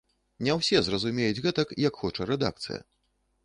Не ўсе зразумеюць гэтак, як хоча рэдакцыя.